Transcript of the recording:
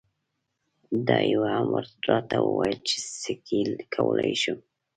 دا یې هم راته وویل چې سکی کولای شم.